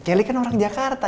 kelly kan orang jakarta